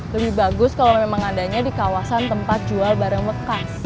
lebih bagus kalau memang adanya di kawasan tempat jual barang bekas